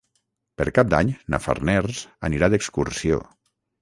Per Cap d'Any na Farners anirà d'excursió.